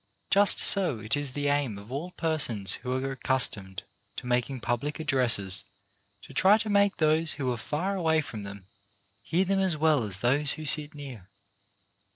Just so it is the aim of all persons who are ac customed to making public addresses to try to make those who are far away from them hear them as well as those who sit near.